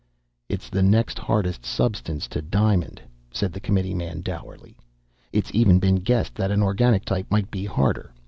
"It's the next hardest substance to diamond," said the committeeman dourly. "It's even been guessed that an organic type might be harder.